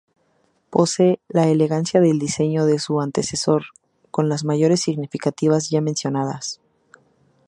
Posee la elegancia del diseño de su antecesor con las mejoras significativas ya mencionadas.